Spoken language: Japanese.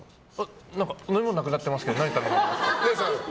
飲み物なくなってますけど何頼みます？とか。